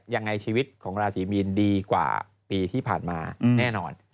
ยังไงชีวิตของราศีมีนดีกว่าปีที่ผ่านมาแน่นอน